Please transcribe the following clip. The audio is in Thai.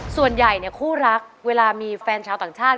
ส่วนใหญ่คู่รักเวลามีแฟนชาวต่างชาติ